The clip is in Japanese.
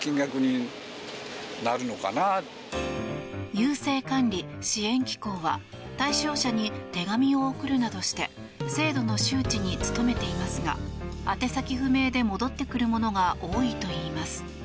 郵政管理・支援機構は対象者に手紙を送るなどして制度の周知に努めていますが宛先不明で戻ってくるものが多いといいます。